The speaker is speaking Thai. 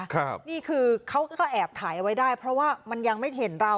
ครับนี่คือเขาก็แอบถ่ายเอาไว้ได้เพราะว่ามันยังไม่เห็นเรา